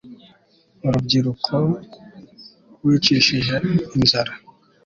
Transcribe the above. urubyiruko wicishije inzara